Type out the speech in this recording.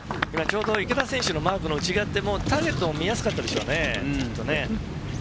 池田選手のマークの内側ってターゲットも見やすかったでしょうね。